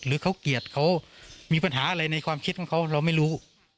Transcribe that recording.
หรือเขาเกลียดเขามีปัญหาอะไรในความคิดของเขาเราไม่รู้